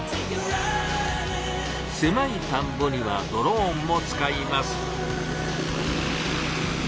せまい田んぼにはドローンも使います。